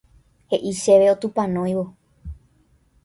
He'i chéve otupanóivo